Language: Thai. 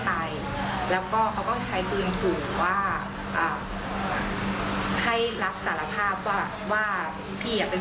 รถมันขับไปขับกลับแล้วน้ำมันมันจะหมดแล้วค่ะไม่ยอมเติม